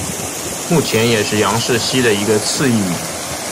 目前也是杨氏蜥的一个次异名。